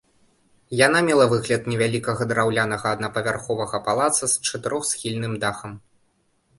Яна мела выгляд невялікага драўлянага аднапавярховага палаца з чатырохсхільным дахам.